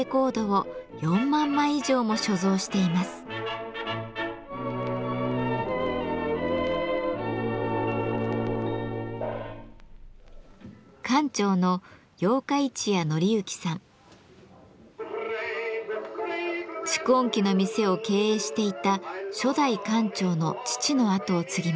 蓄音機の店を経営していた初代館長の父のあとを継ぎました。